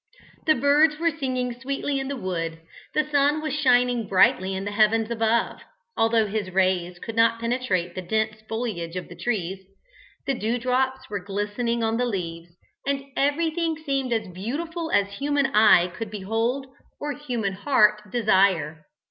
The birds were singing sweetly in the wood, the sun was shining brightly in the heavens above (although his rays could not penetrate the dense foliage of the trees), the dewdrops were glistening on the leaves, and everything seemed as beautiful as human eye could behold or human heart desire.